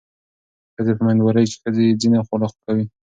ښځې په مېندوارۍ کې ځینې خواړه خوښوي.